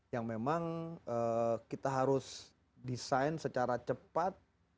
yang memang kita harus desain secara cepat